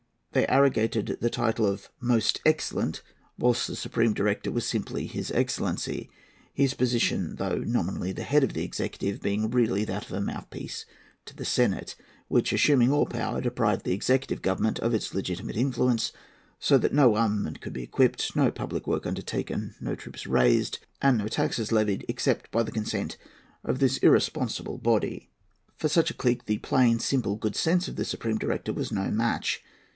They arrogated the title of 'Most Excellent,' whilst the Supreme Director was simply 'His Excellency;' his position, though nominally head of the executive, being really that of mouthpiece to the senate, which, assuming all power, deprived the Executive Government of its legitimate influence, so that no armament could be equipped, no public work undertaken, no troops raised, and no taxes levied, except by the consent of this irresponsible body. For such a clique the plain, simple good sense of the Supreme Director was no match.